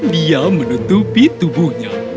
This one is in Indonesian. dia menutupi tubuhnya